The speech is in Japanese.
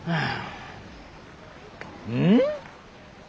うん！？